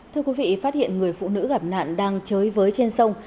thưa quý vị phát hiện người phụ nữ gặp nạn đang chơi với trên sông